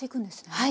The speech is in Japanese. はい。